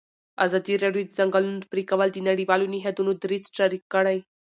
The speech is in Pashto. ازادي راډیو د د ځنګلونو پرېکول د نړیوالو نهادونو دریځ شریک کړی.